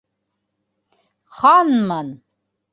Ханмын!